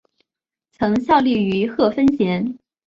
曾效力于贺芬咸。